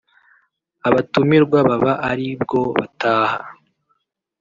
abatumirwa baba ari bwo bataha